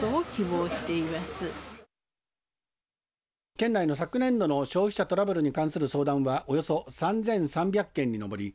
県内の昨年度の消費者トラブルに関する相談はおよそ３３００件に上り